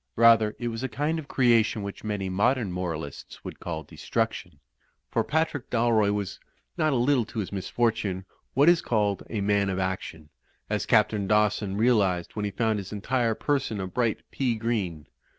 Rather it was a kind of creation which many modem moralists would call destruction. For Patrftk Dalroy was, not a little to his misfortune, what is called a man of action; as Captain Dawson realised when he found his entire person a bright pea green.